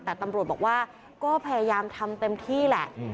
แต่ตำรวจบอกว่าก็พยายามทำเต็มที่แหละ